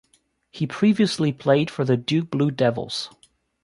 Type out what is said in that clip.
He previously played for the Duke Blue Devils.